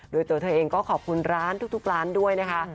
โดยตัวเธอเองก็ขอบคุณร้านทุกร้านด้วยนะคะ